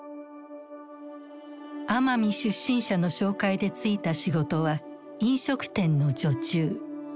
奄美出身者の紹介で就いた仕事は飲食店の女中。